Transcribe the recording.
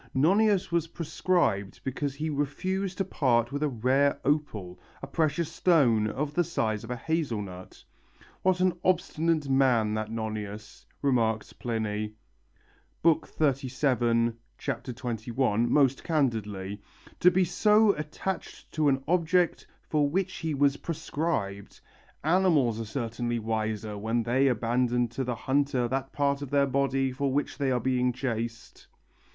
Nonius was proscribed because he refused to part with a rare opal, a precious stone of the size of a hazelnut. "What an obstinate man, that Nonius," remarks Pliny (XXXVII, 21) most candidly, "to be so attached to an object for which he was proscribed! Animals are certainly wiser when they abandon to the hunter that part of their body for which they are being chased."